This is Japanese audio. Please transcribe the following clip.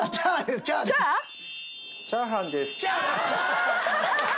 チャーハンです。